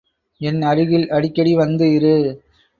என் அருகில் அடிக்கடி வந்து இரு.